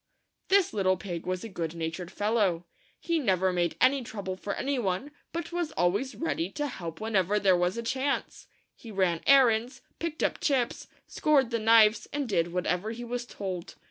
This little pig was a good natured fellow. He never made any trouble for any one, but was always ready to help when ever there was a chance. He ran errands, picked up chips, scoured the knives, and did whatever he was told.